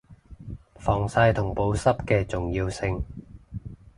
防曬同保濕嘅重要性